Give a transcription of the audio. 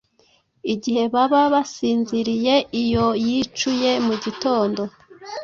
igihe baba basinziriyeiyo yicuye mu gitondo,